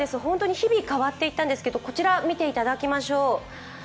日々変わっていったんですけどこちら見ていただきましょう。